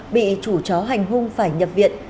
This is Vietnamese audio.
bị chủ chó hành hung phải nhập viện